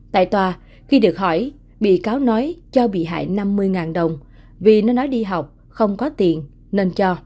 tại tòa khi được hỏi bị cáo nói cho bị hại năm mươi đồng vì nó nói đi học không có tiền nên cho